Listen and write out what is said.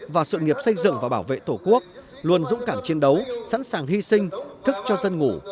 vào sự nghiệp xây dựng và bảo vệ tổ quốc luôn dũng cảm chiến đấu sẵn sàng hy sinh thức cho dân ngủ